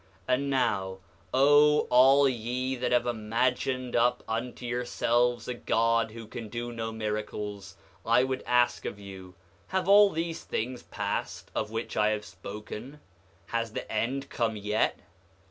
9:15 And now, O all ye that have imagined up unto yourselves a god who can do no miracles, I would ask of you, have all these things passed, of which I have spoken? Has the end come yet?